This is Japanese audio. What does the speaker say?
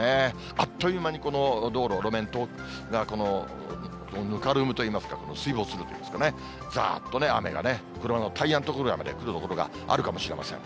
あっという間にこの道路、路面がぬかるむといいますか、水没するというんですかね、ざーっとね、雨がね、車のタイヤの所まで、来る所があるかもしれません。